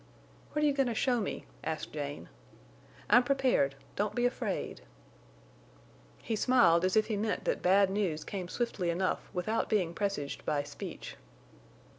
"What are you going to show me?" asked Jane. "I'm prepared—don't be afraid." He smiled as if he meant that bad news came swiftly enough without being presaged by speech.